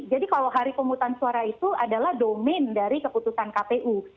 jadi kalau hari pemungutan suara itu adalah domain dari keputusan kpu